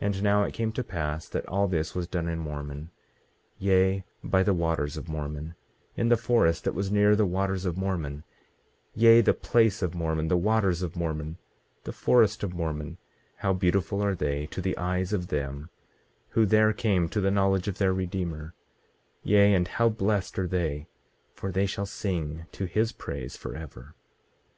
18:30 And now it came to pass that all this was done in Mormon, yea, by the waters of Mormon, in the forest that was near the waters of Mormon; yea, the place of Mormon, the waters of Mormon, the forest of Mormon, how beautiful are they to the eyes of them who there came to the knowledge of their Redeemer; yea, and how blessed are they, for they shall sing to his praise forever.